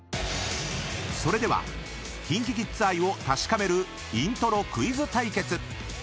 ［それではＫｉｎＫｉＫｉｄｓ愛を確かめるイントロクイズ対決］